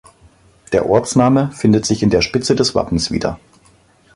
Der Ortsname findet sich in der Spitze des Wappens wieder.